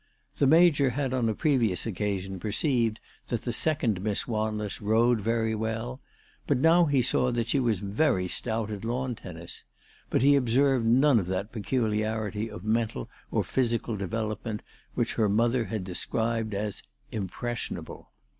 The Major had on a previous occasion perceived that the second Miss Wanless rode very well, and now he saw that she was very stout at lawn tennis ; but he observed none of that peculiarity of mental or physical development which her mother had described as " impressionable."